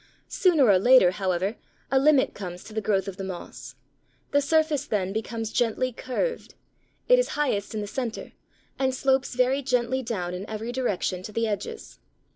Sooner or later, however, a limit comes to the growth of the moss. The surface then becomes gently curved: it is highest in the centre, and slopes very gently down in every direction to the edges.